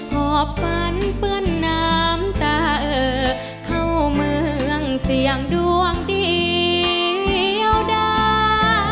หอบฝันเปื้อนน้ำตาเออเข้าเมืองเสี่ยงดวงเดียวดา